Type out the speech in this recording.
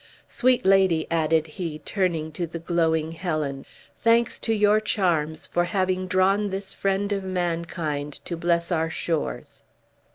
Sweet lady," added he, turning to the glowing Helen, "thanks to your charms for having drawn this friend of mankind to bless our shores!"